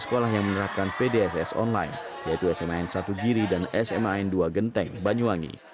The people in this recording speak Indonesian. sekolah yang menerapkan pdss online yaitu sma n satu giri dan sma n dua genteng banyuwangi